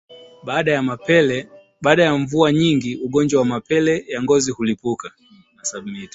Baada ya mvua nyingi ugonjwa wa mapele ya ngozi hulipuka